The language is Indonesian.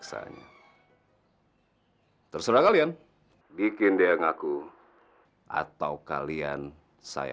saya tuh gak tahu alamat sekolahnya di mana